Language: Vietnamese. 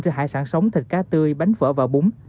cho hải sản sống thịt cá tươi bánh phở và bún